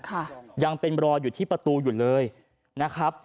ค่ะยังเป็นรอยอยู่ที่ประตูอยู่เลยนะครับ